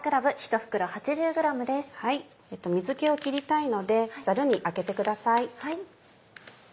水気を切りたいのでざるにあけてください。